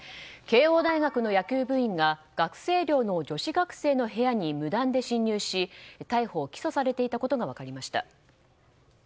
慶應大学の野球部員が学生寮の女子学生の部屋に無断で侵入し逮捕・起訴されていたことが分かりました。